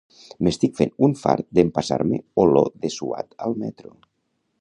M'estic fent un fart d'empassar-me olor de suat al metro